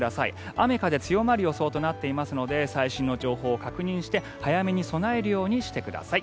雨風強まる予想となっていますので最新の情報を確認して早めに備えるようにしてください。